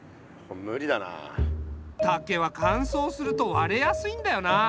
竹はかんそうすると割れやすいんだよな。